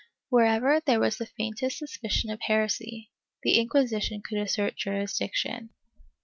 ^ Wherever there was the faintest suspicion of heresy, the Inciuisi tion could assert jurisdiction.